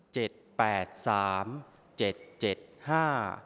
แปดสามเจ็ดเจ็ดห้า